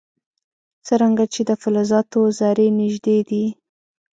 څرنګه چې د فلزاتو ذرې نژدې دي.